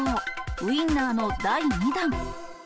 ウインナーの第２弾。